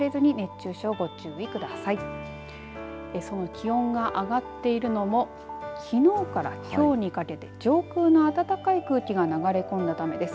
気温が上がっているのもきのうからきょうにかけて上空の暖かい空気が流れ込んだためです。